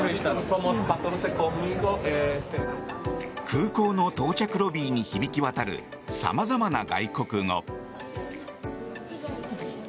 空港の到着ロビーに響き渡る様々な外国語。